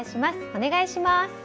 お願いします。